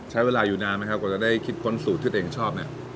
ใช้เวลาอยู่นานไหมครับกว่าจะได้คิดค้นสูตรที่ตัวเองชอบเนี่ย